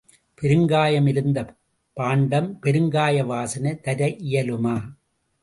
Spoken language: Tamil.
பெருங்காயம் இருந்த பாண்டம் பெருங்காய வாசனை தர இயலுமா?